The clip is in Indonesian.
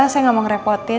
saya gak mau ngerepotin